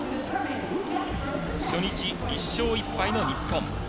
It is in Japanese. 初日、１勝１敗の日本。